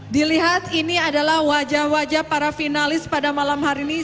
dilihat ini adalah wajah wajah para finalis pada malam hari ini